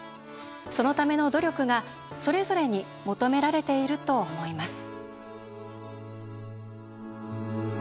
そのための努力がそれぞれに求められていると思います。